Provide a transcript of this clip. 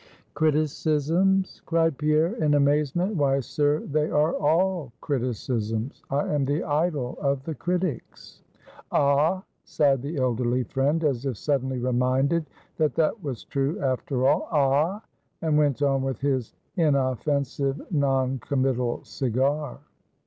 "Criticisms?" cried Pierre, in amazement; "why, sir, they are all criticisms! I am the idol of the critics!" "Ah!" sighed the elderly friend, as if suddenly reminded that that was true after all "Ah!" and went on with his inoffensive, non committal cigar.